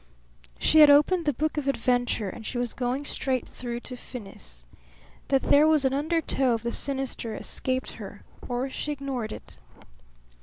She had opened the book of adventure and she was going straight through to finis. That there was an undertow of the sinister escaped her or she ignored it.